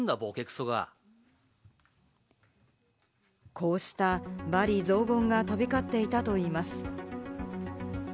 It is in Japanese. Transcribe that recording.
こうした罵詈雑言が飛び交っていたといいます。